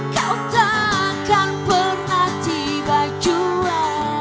kau tak akan pernah tiba jua